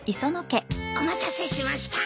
お待たせしました。